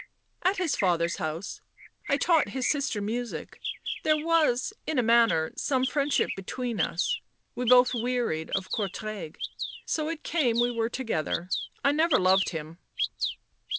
" At his father's house. I taught his sister music. There was, in a manner, some friendship between us ... we both wearied of Courtrai ... so it came we were together. I never loved him."